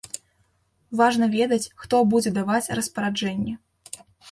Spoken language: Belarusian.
Важна ведаць, хто будзе даваць распараджэнні.